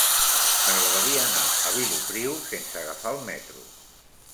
M'agradaria anar a Vilopriu sense agafar el metro.